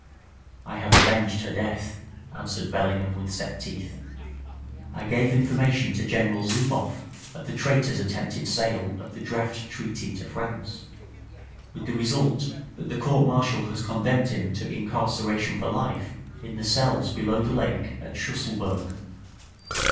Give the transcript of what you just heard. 'I have avenged her death,' answered Bellingham with set teeth. 'I gave information to General Zouboff of the traitor's attempted sale of the draft treaty to France, with the result that the court martial has condemned him to incarceration for life in the cells below the lake at Schusselburg.'